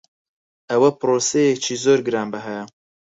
ئەوە پرۆسەیەکی زۆر گرانبەهایە.